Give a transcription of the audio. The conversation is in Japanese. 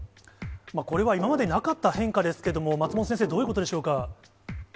これは今までになかった変化ですけれども、松本先生、どういうことでしょうか？